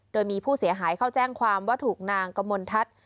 โดยมีผู้เสียหายเข้าแจ้งความว่าถูกนางกมลทัศน์